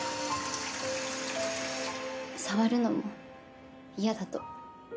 触るのも嫌だと。